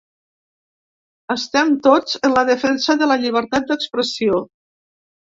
Estem tots en la defensa de la llibertat d’expressió